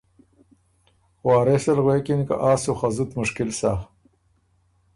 وارث ال غوېکِن که ” آ سُو خه زُت مشکل سۀ“